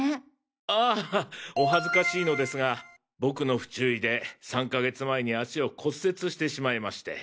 ああお恥ずかしいのですが僕の不注意で３か月前に足を骨折してしまいまして。